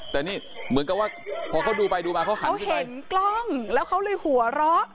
แต่นี่เหมือนกับว่าพอเขาดูไปดูมาเขาหันเขาเห็นกล้องแล้วเขาเลยหัวเราะ